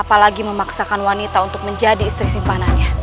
apalagi memaksakan wanita untuk menjadi istri simpanannya